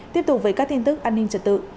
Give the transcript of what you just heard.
tiếp tục với các tin tức an ninh trật tự